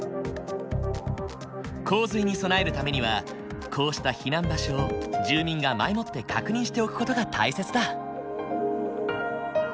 洪水に備えるためにはこうした避難場所を住民が前もって確認しておく事が大切だ。